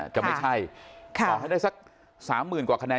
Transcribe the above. จะไม่ใช่สอให้ได้สัก๓หมื่นกว่าคะแนน